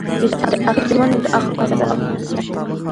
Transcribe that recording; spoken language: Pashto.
چې د عقلې ژوند د اخلاقو احساسات او خصوصیات